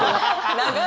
長い！